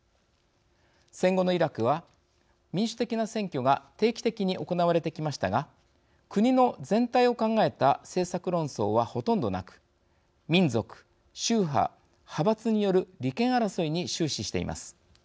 戦後のイラクは民主的な選挙が定期的に行われてきましたが国の全体を考えた政策論争はほとんどなく民族、宗派、派閥による利権争いに終始しています。